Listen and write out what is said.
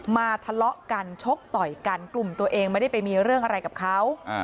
ทะเลาะกันชกต่อยกันกลุ่มตัวเองไม่ได้ไปมีเรื่องอะไรกับเขา